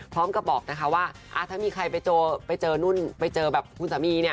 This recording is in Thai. พร้อมกับบอกนะคะว่าถ้ามีใครไปเจอนุ่นไปเจอแบบคุณสามีเนี่ย